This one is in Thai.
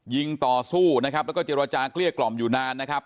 ยิงต่อสู้นะครับแล้วก็เจรจาเกลี้ยกล่อมอยู่นานนะครับ